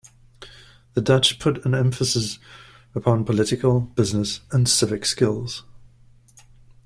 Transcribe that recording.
The Dutch put an emphasis upon political, business, and civic skills.